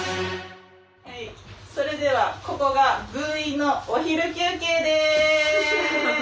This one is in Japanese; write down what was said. それではここが分院のお昼休憩です！